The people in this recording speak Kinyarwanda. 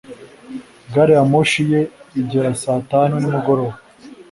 Gari ya moshi ye igera saa tanu nimugoroba.